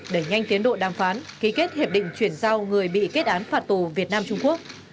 đẩy nhanh tiến độ đàm phán ký kết hiệp định chuyển giao người bị kết án phạt tù việt nam trung quốc